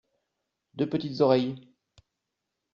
Deux petites oreilles.